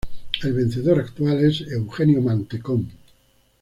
El vencedor actual es Eugenio Mantecón.